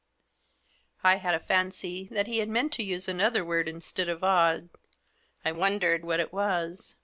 I had a fancy that he had meant to use another word instead of " odd ;" I wondered what it was.